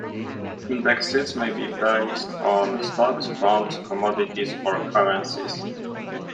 Indexes may be based on stocks, bonds, commodities, or currencies.